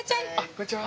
こんにちは。